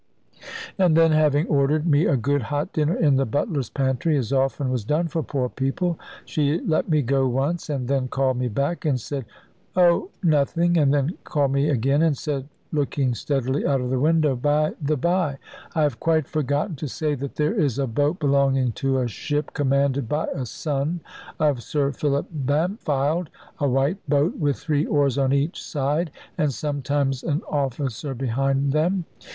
And then having ordered me a good hot dinner in the butler's pantry, as often was done for poor people, she let me go once, and then called me back, and said, "Oh, nothing;" and then called me again, and said, looking steadily out of the window, "By the by, I have quite forgotten to say that there is a boat belonging to a ship commanded by a son of Sir Philip Bampfylde, a white boat, with three oars on each side, and sometimes an officer behind them.